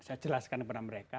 saya jelaskan kepada mereka